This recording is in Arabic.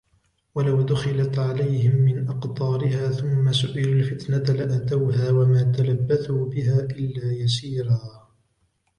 وَلَوْ دُخِلَتْ عَلَيْهِمْ مِنْ أَقْطَارِهَا ثُمَّ سُئِلُوا الْفِتْنَةَ لَآتَوْهَا وَمَا تَلَبَّثُوا بِهَا إِلَّا يَسِيرًا